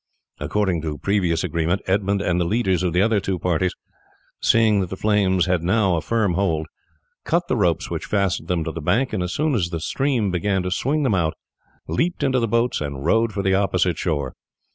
According to previous agreement Edmund and the leaders of the other two parties, seeing that the flames had now firm hold, cut the ropes which fastened them to the bank, and as soon as the stream began to swing them out leaped into the boats and rowed for the opposite shore.